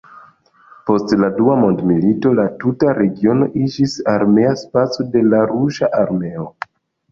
Post la Dua mondmilito la tuta regiono iĝis armea spaco de la Ruĝa Armeo.